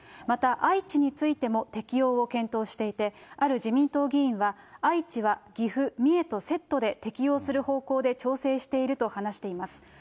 また愛知についても、適用を検討していて、ある自民党議員は、愛知は岐阜、三重とセットで適用する方向で調整していると話しています。